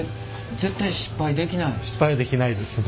失敗はできないですね